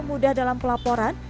mudah dalam pelaporan